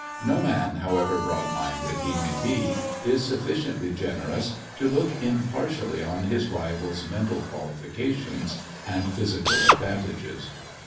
No man, however broad minded he may be, is sufficiently generous to look impartially on his rival's mental qualifications and physical advantages.